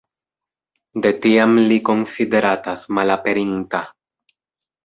De tiam li konsideratas malaperinta.